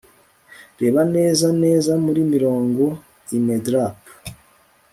Reba neza neza muri mirongo inedrape